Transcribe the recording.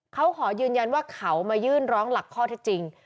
เขาขอยืนยันว่าเขามายื่นร้องหลักข้อที่จริง